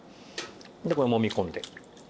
でこれもみ込んで。